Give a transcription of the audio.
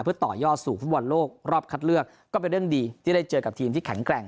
เพื่อต่อยอดสู่ฟุตบอลโลกรอบคัดเลือกก็เป็นเรื่องดีที่ได้เจอกับทีมที่แข็งแกร่ง